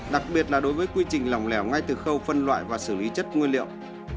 đặc biệt là đối với quy trình lòng lẻo ngay từ khâu phân loại và xử lý chất nguyên liệu